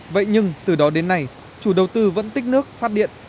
vậy nhưng từ đó đến nay chủ đầu tư vẫn tích nước phát điện